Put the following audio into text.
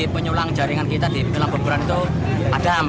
penyulang jaringan kita di penyulang berpura itu adam